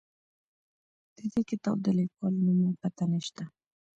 د دې کتاب د لیکوال نوم او پته نه شته.